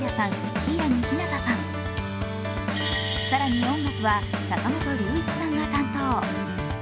柊木陽太さん、更に、音楽は坂本龍一さんが担当。